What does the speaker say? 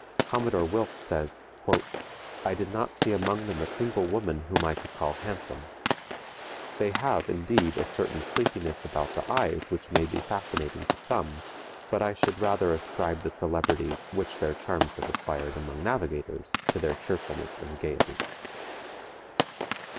Commodore Wilkes says, "I did not see among them a single woman whom I could call handsome. They have, indeed, a certain sleepiness about the eyes which may be fascinating to some, but I should rather ascribe the celebrity which their charms have acquired among navigators to their cheerfulness and gayety."